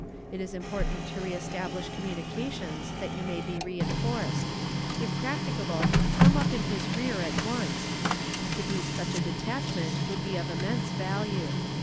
It is important to reestablish communications, that you may be reënforced. If practicable, come up in his rear at once to beat such a detachment would be of immense value.